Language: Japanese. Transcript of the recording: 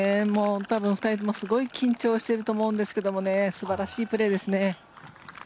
多分、２人ともすごい緊張してると思うんですけど素晴らしいプレーですね。